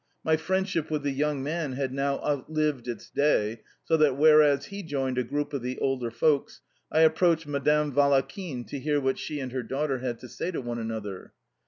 My friendship with the young man had now outlived its day; so, whereas he joined a group of the older folks, I approached Madame Valakhin to hear what she and her daughter had to say to one another.